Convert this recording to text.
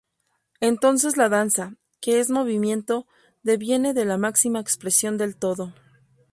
Entonces la danza, que es movimiento, deviene de la máxima expresión del todo.